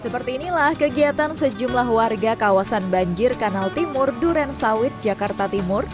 seperti inilah kegiatan sejumlah warga kawasan banjir kanal timur duren sawit jakarta timur